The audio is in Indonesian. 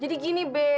jadi gini be